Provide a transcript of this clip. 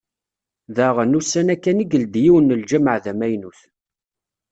Daɣen, ussan-a kan i yeldi yiwen n lǧamaɛ d amaynut.